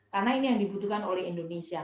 karena ini yang dibutuhkan oleh indonesia